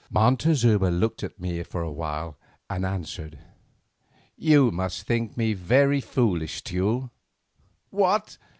Montezuma looked at me a while and answered: "You must think me very foolish, Teule. What!